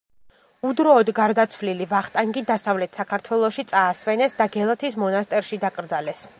უდროოდ გარდაცვლილი ვახტანგი დასავლეთ საქართველოში წაასვენეს და გელათის მონასტერში დაკრძალეს.